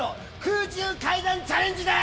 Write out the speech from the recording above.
空中階段チャレンジだ！